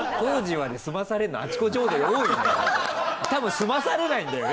たぶん済まされないんだよね